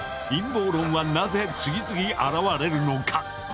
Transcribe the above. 陰謀論はなぜ次々現れるのか。